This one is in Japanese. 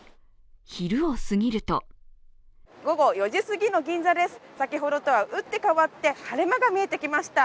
昼を過ぎると午後４時すぎの銀座です、先ほどとは打って変わって晴れ間が見えてきました。